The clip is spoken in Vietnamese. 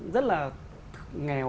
rất là nghèo